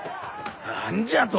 何じゃと？